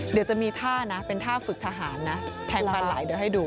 เดี๋ยวจะมีท่านะเป็นท่าฝึกทหารนะแทงปลาไหลเดี๋ยวให้ดู